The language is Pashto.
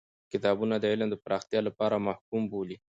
کتابونه د علم د پراختیا لپاره محکوم بولی.